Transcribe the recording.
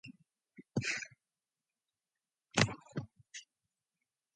Don Poier is the play-by-play announcer with Reggie Theus on color commentary.